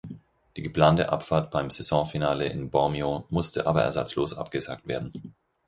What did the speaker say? Die geplante Abfahrt beim Saisonfinale in Bormio musste aber ersatzlos abgesagt werden.